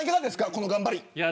この頑張り。